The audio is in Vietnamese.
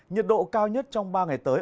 nhiệt độ cao nhất trong ba ngày tới